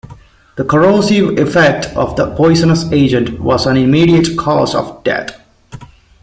The corrosive effect of the poisonous agent was an immediate cause of death.